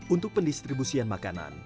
untuk pendistribusian makanan